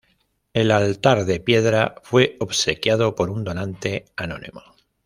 El altar de piedra fue obsequiado por un donante anónimo.